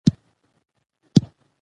درغلي نه وي.